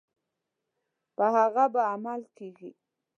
په هغه به عمل کیږي.